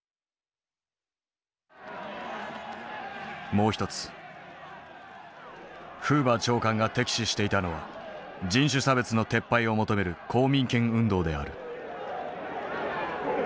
もう一つフーバー長官が敵視していたのは人種差別の撤廃を求める公民権運動である。